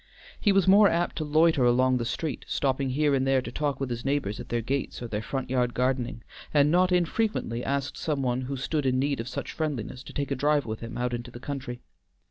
He was more apt to loiter along the street, stopping here and there to talk with his neighbors at their gates or their front yard gardening, and not infrequently asked some one who stood in need of such friendliness to take a drive with him out into the country.